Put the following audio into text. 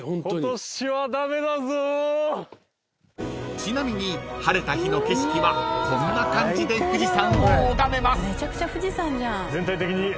［ちなみに晴れた日の景色はこんな感じで富士山を拝めます］